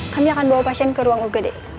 kami akan bawa pasien ke ruang ugd